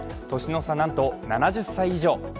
年の差なんと７０歳以上。